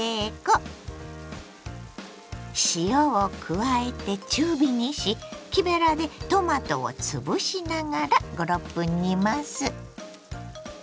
加えて中火にし木べらでトマトをつぶしながら５６分煮ます。